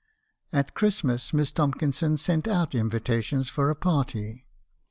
"At Christmas, Miss Tomkinson sent out invitations for a party.